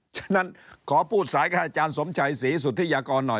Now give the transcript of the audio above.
ฉะนั้นขอพูดสายกับอาจารย์สมชัยศรีสุธิยากรหน่อย